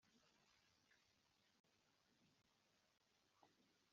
narigize rugabanyababisha.